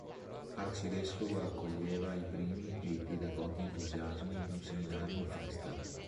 Arcivescovo raccoglieva i primi e i più devoti entusiasmi di un Seminario in festa.